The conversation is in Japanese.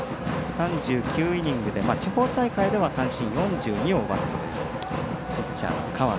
３９イニングで地方大会では三振４２を奪ったというピッチャーの河野。